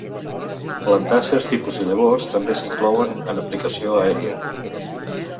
Plantar certs tipus de llavors també s'inclouen en aplicació aèria.